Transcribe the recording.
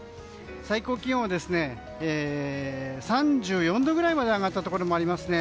最高気温は３４度ぐらいまで上がったところがありますね。